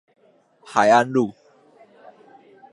海安路